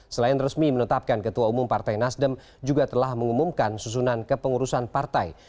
selain resmi menetapkan ketua umum partai nasdem juga telah mengumumkan susunan kepengurusan partai